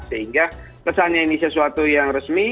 sehingga kesannya ini sesuatu yang resmi